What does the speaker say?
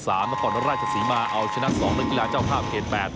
แล้วก่อนวันราชสีมาเอาชนะ๒ในกีฬาเจ้าภาพเขต๘